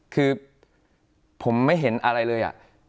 คือผมไม่เห็นอะไรเลย